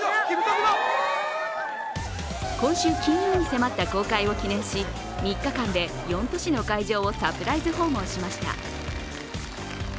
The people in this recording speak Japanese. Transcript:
今週金曜に迫った公開を記念し、３日間で４都市の会場をサプライズ訪問しました。